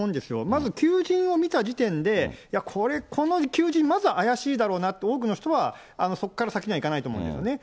まず求人を見た時点で、これ、この求人、まず怪しいだろうなと、多くの人はそこから先にはいかないと思うんですよね。